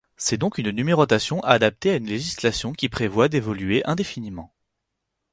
C'est donc une numérotation adaptée à une législation qui prévoit d'évoluer indéfiniment.